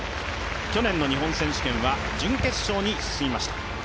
去年の日本選手権は準決勝に進みました。